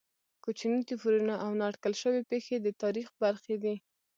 کوچني توپیرونه او نا اټکل شوې پېښې د تاریخ برخې دي.